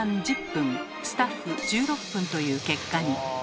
１０分スタッフ１６分という結果に。